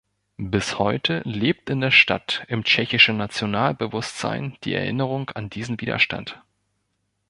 Bis heute lebt in der Stadt im tschechischen Nationalbewusstsein die Erinnerung an diesen Widerstand.